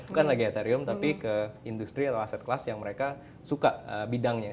bukan lagi etherium tapi ke industri atau aset kelas yang mereka suka bidangnya